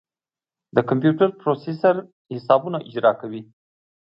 د کمپیوټر پروسیسر حسابونه اجرا کوي.